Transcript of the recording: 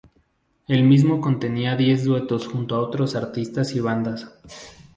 El mismo contenía diez duetos junto a otros artistas y bandas.